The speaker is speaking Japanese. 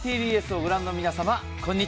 ＴＢＳを御覧の皆様。